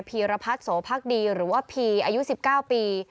ีรพัฒน์โสพักดีหรือว่าพีอายุ๑๙ปี